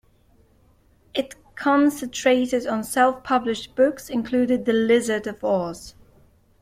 It concentrated on self-published books, including The Lizard of Oz.